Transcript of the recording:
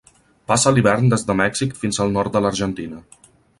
Passa l'hivern des de Mèxic fins al nord de l'Argentina.